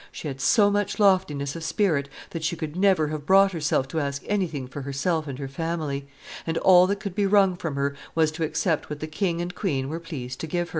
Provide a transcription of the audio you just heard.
"She had so much loftiness of spirit that she could never have brought herself to ask anything for herself and her family; and all that could be wrung from her was to accept what the king and queen were pleased to give her."